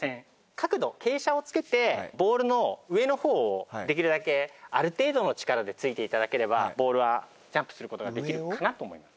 角度傾斜をつけてボールの上のほうをできるだけある程度の力で突いていただければボールはジャンプすることができるかなと思います。